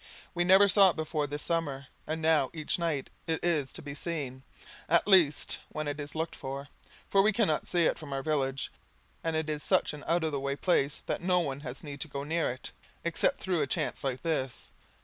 We never saw it before this summer; and now each night it is to be seen, at least when it is looked for, for we cannot see it from our village; and it is such an out of the way place that no one has need to go near it, except through a chance like this.